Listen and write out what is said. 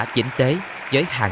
vì ta đồng thời